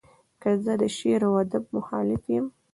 که زه د شعر و ادب مخالف یم.